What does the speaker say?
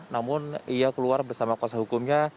namun ia keluar bersama kuasa hukumnya